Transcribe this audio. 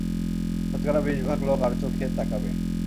শতকরা বিশ ভাগ লোক আড়চোখে তাকাবে।